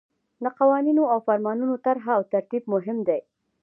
د قوانینو او فرمانونو طرح او ترتیب مهم دي.